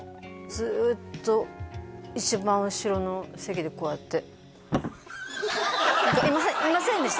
ずっと一番後ろの席でこうやって何かいませんでした？